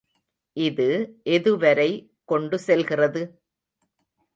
இது எதுவரை கொண்டு செல்கிறது?